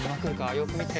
よくみて。